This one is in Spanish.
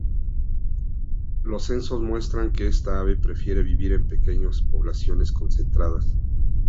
Los censos muestran que esta ave prefiere vivir en pequeñas poblaciones concentradas.